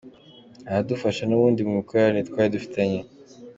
Aradufasha n’ubundi mu mikoranire twari dufitanye.